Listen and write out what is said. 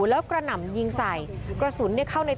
พวกมันต้องกินกันพี่